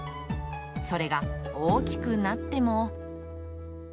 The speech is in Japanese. それが大きくなっても。